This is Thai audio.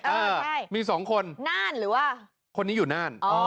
อ่าใช่มีสองคนน่านหรือว่าคนนี้อยู่น่าน